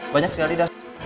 banyak sekali dah